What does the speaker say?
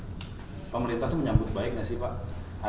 pemerintah itu menyambut baiknya sih pak